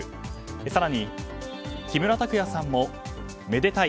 更に木村拓哉さんもめでたい！